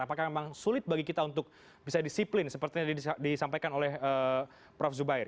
apakah memang sulit bagi kita untuk bisa disiplin seperti yang disampaikan oleh prof zubair